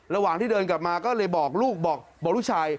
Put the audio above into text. ระหว่างที่เดินกลับมาก็เลยบอกลูกบอกลูกชาย